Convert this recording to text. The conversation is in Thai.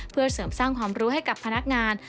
เพื่อเสริมสร้างความรู้ให้กับพนักงาน